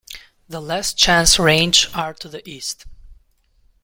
The Last Chance Range are to the east.